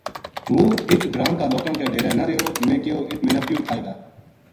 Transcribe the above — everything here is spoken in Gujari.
ہوں اِت گراں کا لوکاں کے ڈیرے نہ رہیو میں کہیو اِت منا پیوں کھائے گا